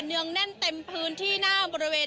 เนืองแน่นเต็มพื้นที่หน้าบริเวณ